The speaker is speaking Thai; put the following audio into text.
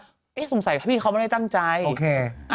ก็บอกว่าสงสัยว่าพี่เค้าไม่ได้ตั้งใจโอเค